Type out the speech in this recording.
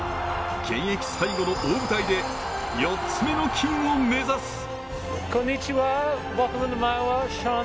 現役最後の大舞台で、４つ目の金を目指す！